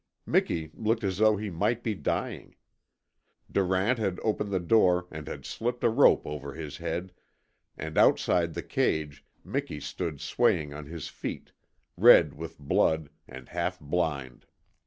Miki looked as though he might be dying. Durant had opened the door and had slipped a rope over his head, and outside the cage Miki stood swaying on his feet, red with blood, and half blind.